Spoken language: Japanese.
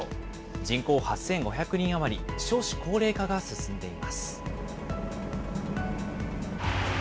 人口８５００人余り、少子高齢化が進んでいます。